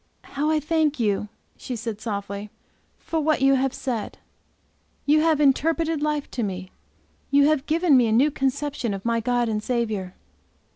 "How I thank you," she said softly, "for what you have said. You have interpreted life to me! You have given me a new conception of my God and Saviour!"